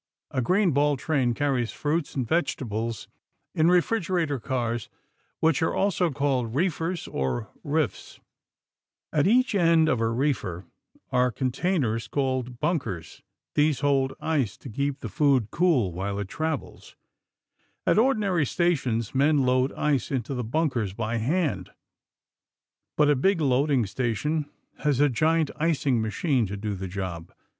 A greenball train carries fruits and vegetables in refrigerator cars, which are also called reefers or riffs. At each end of a reefer are containers called bunkers. These hold ice to keep the food cool while it travels. At ordinary stations, men load ice into the bunkers by hand. But a big loading station has a giant icing machine to do the job.